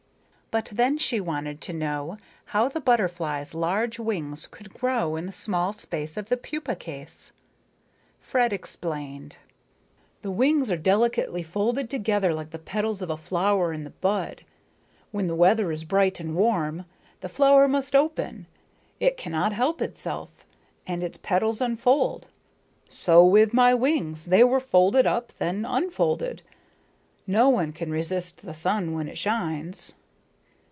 But then she wanted to know how the butterfly's large wings could grow in the small space of the pupa case. Fred explained. "The wings are delicately folded together like the petals of a flower in the bud. When the weather is bright and warm, the flower must open, it cannot help itself, and its petals unfold. So with my wings, they were folded up, then unfolded. No one can resist the sun when it shines."